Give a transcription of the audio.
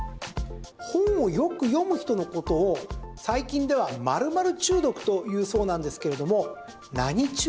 本をよく読む人のことを最近では○○中毒と言うそうなんですけれども。